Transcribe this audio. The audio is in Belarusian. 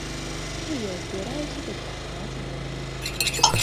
І я збіраюся тут працаваць і далей.